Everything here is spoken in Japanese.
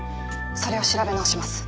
それを調べ直します。